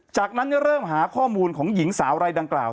จากนั้นเริ่มหาข้อมูลของหญิงสาวรายดังกล่าว